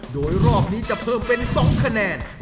โดยรอบนี้จะเปิดเป็น๒คำนี้